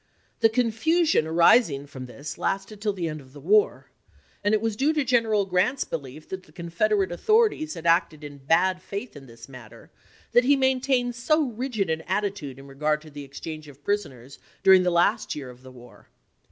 The confusion arising from this lasted till the end of the war, and it was due to General Grant's belief that the Confederate authorities had acted in bad faith in this matter that he maintained so rigid an attitude in regard to the exchange of prisoners during the last year of the war.